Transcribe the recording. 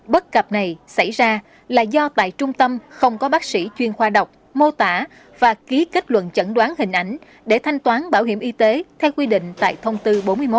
bảo hiểm y tế theo quy định tại thông tư bốn mươi một